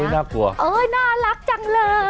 น่ากลัวน่ารักจังเลย